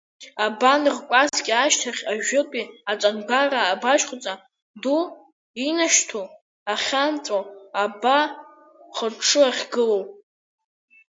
Абан ркәаскьа ашьҭахь ажәытәтәи аҵангәара абаашьхәҵа ду инашьҭу ахьаанҵәо, абаа хыҽҽы ахьгылоу.